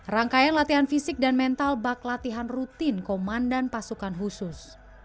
rangkaian latihan fisik dan mental bak latihan rutin komandan pasukan khusus